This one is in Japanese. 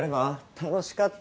楽しかったよ